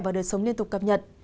vào đời sống liên tục cập nhật